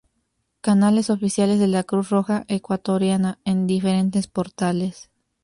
Canales oficiales de la Cruz Roja Ecuatoriana en diferentes portales